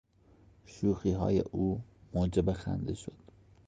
شوخیهای او موجب خنده شد.